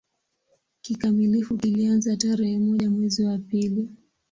Kikamilifu kilianza tarehe moja mwezi wa pili